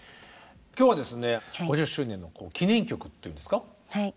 今日はですね５０周年の記念曲というんですか